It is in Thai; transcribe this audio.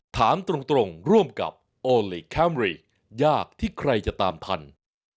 ถามตรงร่วมกับโอลี่คัมรี่ยากที่ใครจะตามทัน